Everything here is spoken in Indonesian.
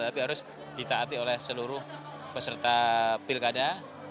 tapi harus ditaati oleh seluruh peserta pilkada